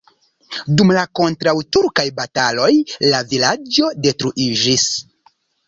Dum la kontraŭturkaj bataloj la vilaĝo detruiĝis.